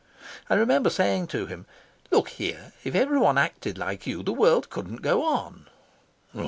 I remember saying to him: "Look here, if everyone acted like you, the world couldn't go on."